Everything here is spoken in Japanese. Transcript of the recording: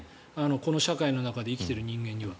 この社会の中で生きている人間には。